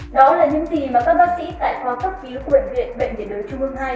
đó là những gì mà các bác sĩ tại kho thấp ký quận viện bệnh viện đới trung ương hai